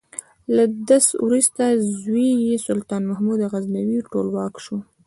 له ده وروسته زوی یې سلطان محمود غزنوي ټولواک شو.